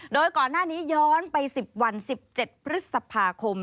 โดยก่อนหน้านี้ย้อนไป๑๐วัน๑๗พฤษภาคม